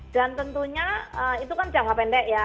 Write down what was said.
dan tentunya itu kan jangka pendek ya